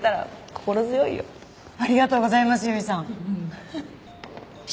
ありがとうございます由比さん。